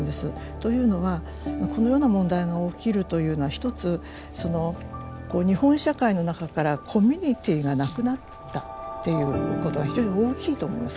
というのはこのような問題が起きるというのはひとつ日本社会の中からコミュニティーがなくなったっていうことが非常に大きいと思います。